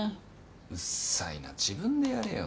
うっさいな自分でやれよ。